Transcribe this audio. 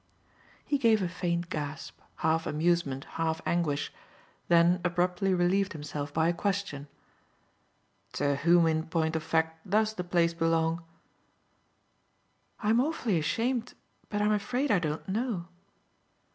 He gave a faint gasp, half amusement, half anguish, then abruptly relieved himself by a question. "To whom in point of fact does the place belong?" "I'm awfully ashamed, but I'm afraid I don't know.